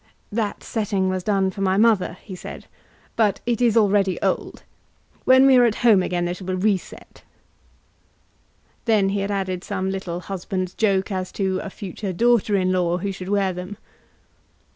"That setting was done for my mother," he said, "but it is already old. When we are at home again they shall be reset." Then he had added some little husband's joke as to a future daughter in law who should wear them.